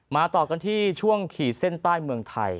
ต่อกันที่ช่วงขีดเส้นใต้เมืองไทย